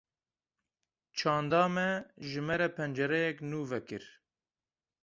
Çanda me, ji me re pencereyek nû vekir